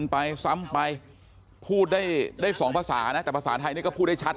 ไปซ้ำไปพูดได้สองภาษานะแต่ภาษาไทยนี่ก็พูดได้ชัด